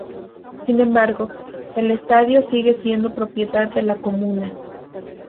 Sin embargo, el estadio sigue siendo propiedad de la Comuna.